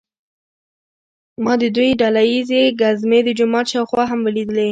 ما د دوی ډله ییزې ګزمې د جومات شاوخوا هم ولیدلې.